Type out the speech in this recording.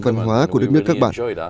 văn hóa của đức nước các bạn